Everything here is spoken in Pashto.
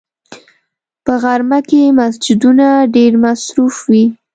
په غرمه کې مسجدونه ډېر مصروف وي